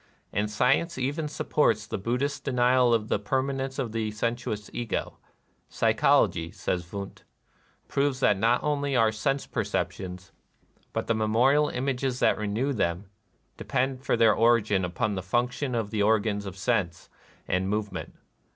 And science even sup ports the Buddhist denial of the permanence of the sensuous Ego. "Psychology," says Wundt, "proves that not only our sense per ceptions, but the memorial images that renew them, depend for their origin upon the func tionings of the organs of sense and move ment.